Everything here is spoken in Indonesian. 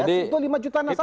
itu lima juta nasabah